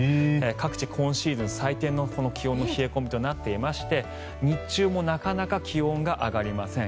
各地、今シーズン最低の気温の冷え込みとなっていまして日中もなかなか気温が上がりません。